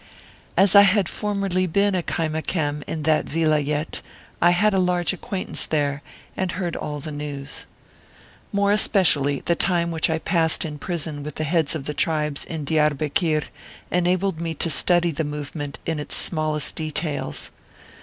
As I had formerly been a Kaimakam in that Vilayet, I had a large acquaintance there and heard^all the news. More especially, the time which I passed in prison with the heads of the tribes in Diarbekir enabled me to study the movement in its smallest Martyred Armenia 5 details.